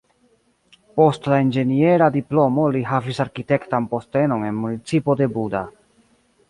Post la inĝeniera diplomo li havis arkitektan postenon en municipo de Buda.